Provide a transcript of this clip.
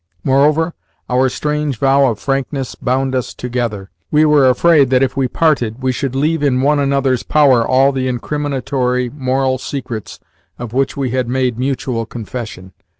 Moreover, our strange vow of frankness bound us together. We were afraid that, if we parted, we should leave in one another's power all the incriminatory moral secrets of which we had made mutual confession.